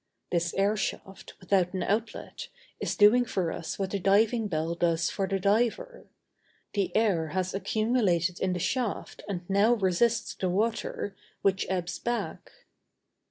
This airshaft, without an outlet, is doing for us what the diving bell does for the diver. The air has accumulated in the shaft and now resists the water, which ebbs back."